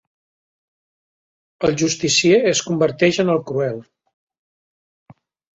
El Justicier es converteix en el Cruel.